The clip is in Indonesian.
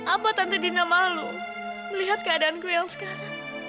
apa tante dina malu melihat keadaanku yang sekarang